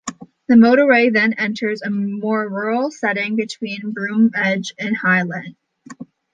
The motorway then enters a more rural setting between Broomedge and High Legh.